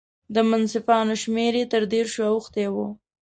د مصنفاتو شمېر یې تر دېرشو اوښتی و.